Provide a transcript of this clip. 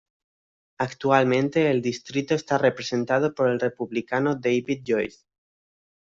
Actualmente el distrito está representado por el Republicano David Joyce.